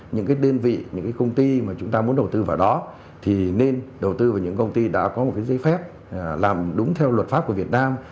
những cái đơn vị những công ty mà chúng ta muốn đầu tư vào đó thì nên đầu tư vào những công ty đã có một cái giấy phép làm đúng theo luật pháp của việt nam